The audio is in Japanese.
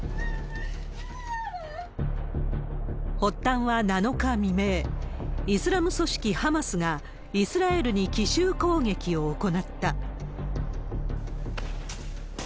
発端は７日未明、イスラム組織ハマスがイスラエルに奇襲攻撃を行った。